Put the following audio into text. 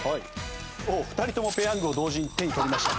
２人ともペヤングを同時に手に取りました。